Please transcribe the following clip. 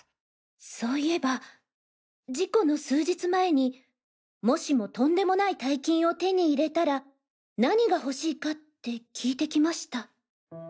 そういえば事故の数日前にもしもとんでもない大金を手に入れたら何が欲しいかって聞いてきました。